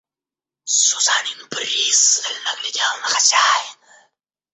Сусанин пристально глядел на хозяина.